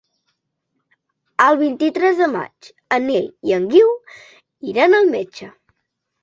El vint-i-tres de maig en Nil i en Guiu iran al metge.